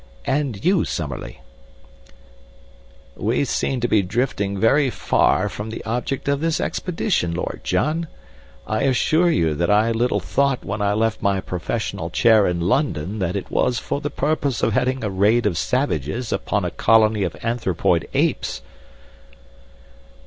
"And you, Summerlee?" "We seem to be drifting very far from the object of this expedition, Lord John. I assure you that I little thought when I left my professional chair in London that it was for the purpose of heading a raid of savages upon a colony of anthropoid apes."